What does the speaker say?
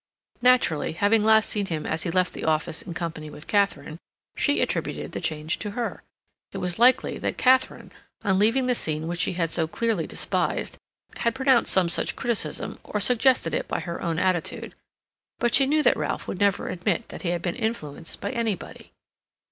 Naturally, having last seen him as he left the office in company with Katharine, she attributed the change to her; it was likely that Katharine, on leaving the scene which she had so clearly despised, had pronounced some such criticism, or suggested it by her own attitude. But she knew that Ralph would never admit that he had been influenced by anybody.